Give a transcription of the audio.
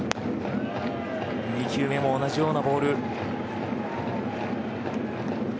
２球目も同じようなボール。